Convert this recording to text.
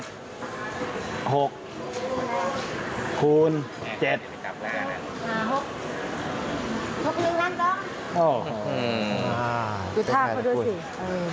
ดูท่าเขาด้วยสิ